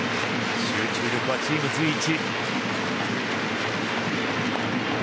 集中力はチーム随一。